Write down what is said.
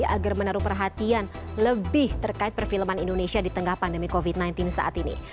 agar menaruh perhatian lebih terkait perfilman indonesia di tengah pandemi covid sembilan belas saat ini